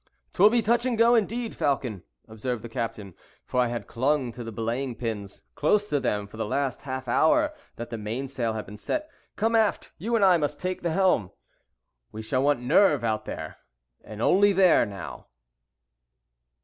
"'Twill be touch and go, indeed, Falcon," observed the captain (for I had clung to the belaying pins, close to them for the last half hour that the mainsail had been set). "Come aft, you and I must take the helm. We shall want nerve there, and only there, now."